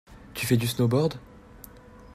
Tu fais du snowboard?